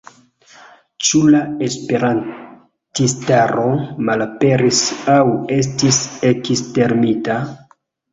Ĉu la esperantistaro malaperis aŭ estis ekstermita?